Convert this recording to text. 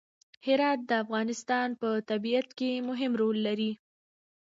هرات د افغانستان په طبیعت کې مهم رول لري.